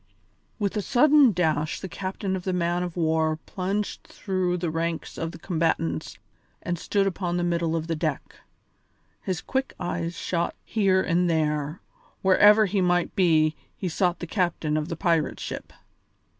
With a sudden dash the captain of the man of war plunged through the ranks of the combatants and stood upon the middle of the deck; his quick eyes shot here and there; wherever he might be, he sought the captain of the pirate ship.